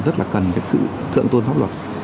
rất là cần sự thượng tôn pháp luật